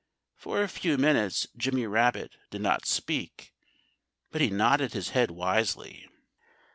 For a few minutes Jimmy Rabbit did not speak. But he nodded his head wisely.